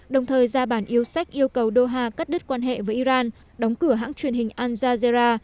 đồng thời ra bản yêu sách yêu cầu doha cắt đứt quan hệ với iran đóng cửa hãng truyền hình alzara